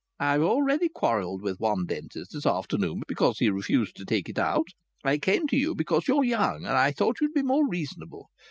I've already quarrelled with one dentist this afternoon because he refused to take it out. I came to you because you're young, and I thought you'd be more reasonable.